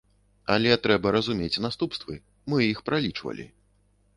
Але трэба разумець наступствы, мы іх пралічвалі.